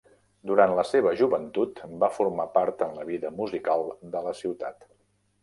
Durant la seva joventut va formar part en la vida musical de la ciutat.